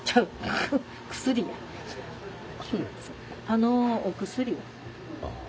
「あのお薬は？」。